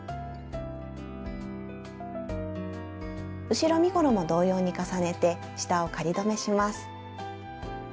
後ろ身ごろも同様に重ねて下を仮留めします。